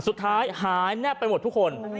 สุดท้ายหายแนบไปหมดทุกคน